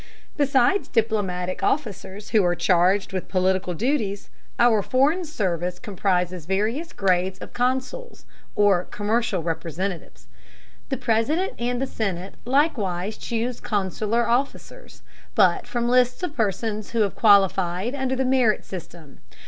Besides diplomatic officers, who are charged with political duties, our foreign service comprises various grades of consuls, or commercial representatives. The President and the Senate likewise choose consular officers, but from lists of persons who have qualified under the merit system.